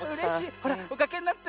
ほらおかけになって。